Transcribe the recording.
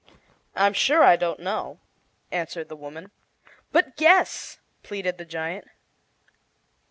"I'm sure I don't know," answered the woman. "But, guess!" pleaded the giant.